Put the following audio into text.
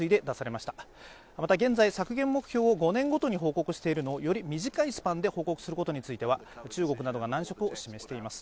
また現在、削減目標を５年ごとに報告しているのをより短いスパンで報告することについては中国などが難色を示しています。